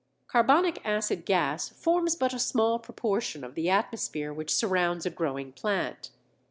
Carbonic acid gas forms but a small proportion of the atmosphere which surrounds a growing plant.